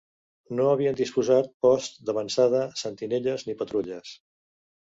No havien disposat posts d'avançada, sentinelles, ni patrulles.